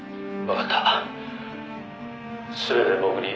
「わかった。